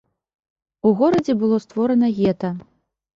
У горадзе было створана гета.